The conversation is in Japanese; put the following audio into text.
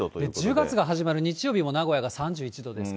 １０月が始まる日曜日も名古屋が３１度ですから。